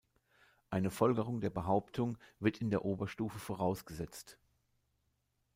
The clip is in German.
Eine Folgerung der Behauptung wird in der Oberstufe vorausgesetzt.